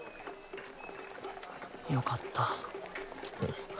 よかった。